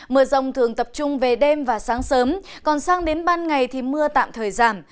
mưa rông thường tập trung về đêm và sáng sớm còn sang đến ban ngày thì mưa tạm thời giảm